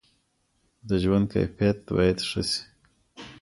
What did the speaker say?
د ژوند کیفیت باید ښه سي.